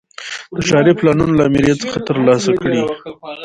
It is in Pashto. د ښاري پلانونو له آمریت څخه ترلاسه کړي.